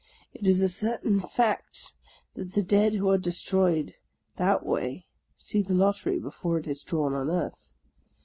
It is a certain fact that the dead who are destroyed that way see the lottery before it is drawn on earth.